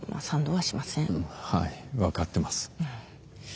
はい分かってます。